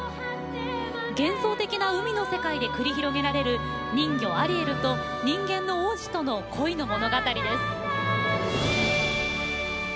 幻想的な海の世界で繰り広げられる人魚、アリエルと人間の王子との恋の物語です。